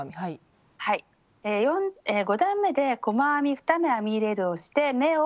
５段めで細編み２目編み入れるをして目を増やします。